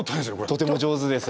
とても上手です。